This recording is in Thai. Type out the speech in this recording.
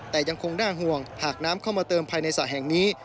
แต่ยังคงน่าห่วงหากน้ำเข้ามาเติมภายในสระแห่งนี้